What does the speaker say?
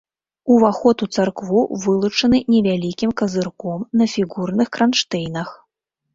Уваход у царкву вылучаны невялікім казырком на фігурных кранштэйнах.